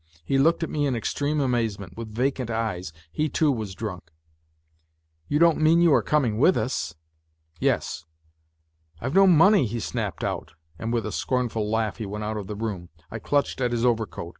He looked at me in extreme amazement, with vacant eyes. He, too, was drunk. " You don't mean you are coming with us ?"" Yes." "I've no money," he snapped out, and with a scornful laugh he went out of the room. I clutched at his overcoat.